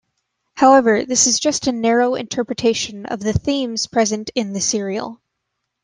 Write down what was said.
However, this is just a narrow interpretation of the themes present in the serial.